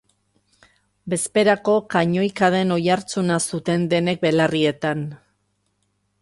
Bezperako kanoikaden oihartzuna zuten denek belarrietan.